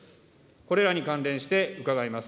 これらに関連して伺います。